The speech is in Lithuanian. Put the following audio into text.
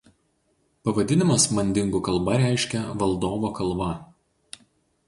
Pavadinimas mandingų kalba reiškia „valdovo kalva“.